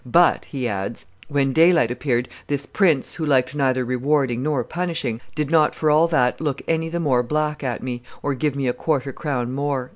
"But," he adds, "when daylight appeared, this prince, who liked neither rewarding nor punishing, did not for all that look any the more black at me, or give me a quarter crown more."